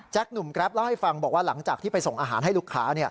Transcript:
หนุ่มแกรปเล่าให้ฟังบอกว่าหลังจากที่ไปส่งอาหารให้ลูกค้า